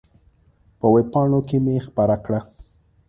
په وېب پاڼو کې مې خپره کړه.